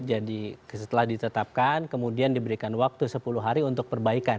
jadi setelah ditetapkan kemudian diberikan waktu sepuluh hari untuk perbuatan